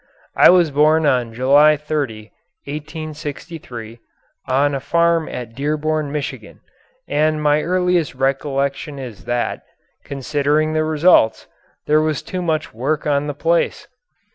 I was born on July 30, 1863, on a farm at Dearborn, Michigan, and my earliest recollection is that, considering the results, there was too much work on the place.